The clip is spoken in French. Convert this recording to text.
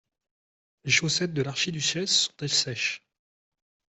Les chaussettes de l’archiduchesse sont-elles sèches ?